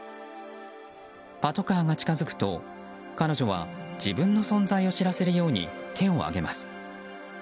パトカーが近づくと彼女は自分の存在を知らせるように手を上げます。